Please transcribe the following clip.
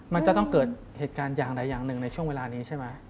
มันจะต้องเกิดเหตุการณ์อย่างใดอย่างหนึ่งในช่วงเวลานี้ใช่ไหม